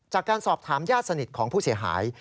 จากการสอบถามญาติสนิทของผู้เสียหาย